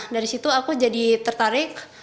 dari situ aku jadi tertarik